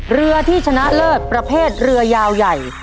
เรือที่ชนะเลิศประเภทเรือยาวใหญ่